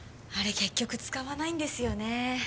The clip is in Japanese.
結局使わないんですよね